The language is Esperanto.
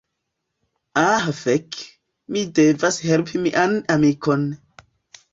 Ah fek, mi devas helpi mian amikon.